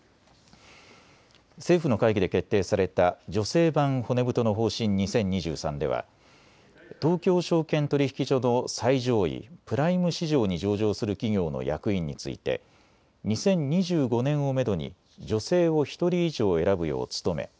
政府の会議で決定された女性版骨太の方針２０２３では東京証券取引所の最上位プライム市場に上場する企業の役員について２０２５年をめどに女性を１人以上選ぶよう努め